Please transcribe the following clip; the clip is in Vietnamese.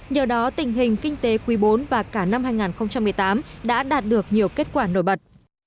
nhờ đó tình hình kinh tế quý bốn và cả năm hai nghìn một mươi tám đã đạt được nhiều kết quả nổi bật